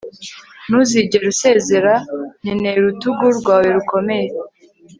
ntuzigere usezera; nkeneye urutugu rwawe rukomeye